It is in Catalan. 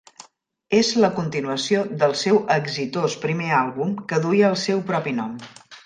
És la continuació del seu exitós primer àlbum, que duia el seu propi nom.